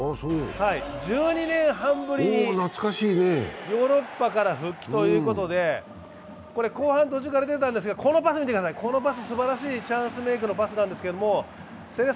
１２年半ぶりに、ヨーロッパから復帰ということで後半途中から出たんですがこのパス、すばらしいチャンスメイクのパスなんですけれども、セレッソ